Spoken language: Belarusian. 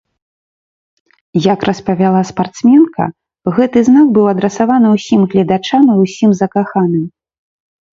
Як распавяла спартсменка, гэты знак быў адрасаваны ўсім гледачам і ўсім закаханым.